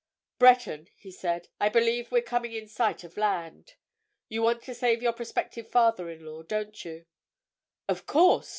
"Breton!" he said. "I believe we're coming in sight of land. You want to save your prospective father in law, don't you?" "Of course!"